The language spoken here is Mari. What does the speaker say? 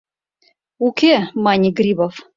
— Уке, — мане Грибов.